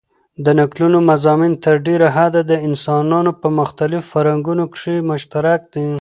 د نکلونو مضامن تر ډېره حده دانسانانو په مختلیفو فرهنګونو کښي مشترک دي.